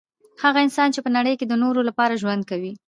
هغه انسان چي په نړۍ کي د نورو لپاره ژوند کوي